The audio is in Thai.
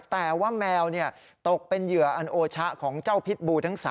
แต่ว่าแมวตกเป็นเหยื่ออันโอชะของเจ้าพิษบูทั้ง๓